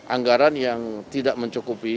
anggaran yang tidak mencukupi